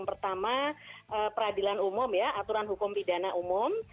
pertama peradilan umum ya aturan hukum pidana umum